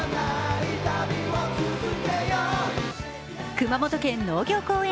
熊本県農業公園